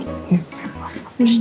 beres dia cukurin